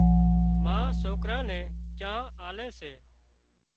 ما سوڪران نين چانه آلي سي